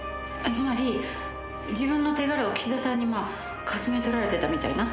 つまり自分の手柄を岸田さんに掠め取られてたみたいな？